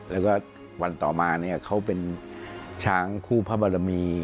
แล้วก็วันต่อมาเนี่ยเขาเป็นช้างคู่พระบรมี